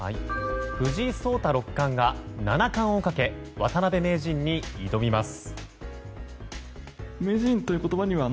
藤井聡太六冠が七冠をかけ渡辺名人に挑みます。